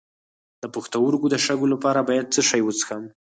د پښتورګو د شګو لپاره باید څه شی وڅښم؟